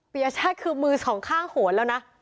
ปียชาติคือมือสองข้างโหนแล้วนะ